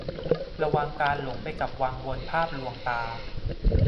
ระวังการหลงไปกับวังวนภาพลวงตา